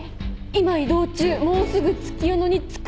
「今移動中もうすぐ月夜野に着く」。